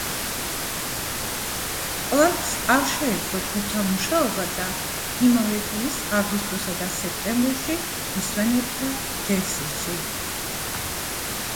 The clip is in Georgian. პლანტს არ შეეძლო ჯგუფთან მუშაობა და იმავე წლის აგვისტოსა და სექტემბერში ისვენებდა ჯერსიში.